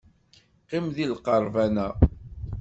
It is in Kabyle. Qqim deg lqerban-a.